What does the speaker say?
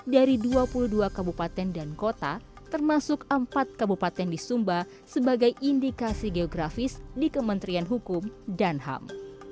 dari dua puluh dua kabupaten dan kota termasuk empat kabupaten di sumba sebagai indikasi geografis di kementerian hukum dan ham